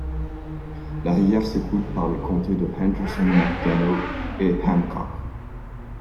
La rivière s'écoule par les comtés de Henderson, McDonough et Hancock.